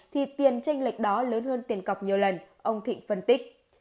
thì tiền tranh lệch đó lớn hơn tiền cọc nhiều lần ông thịnh phân tích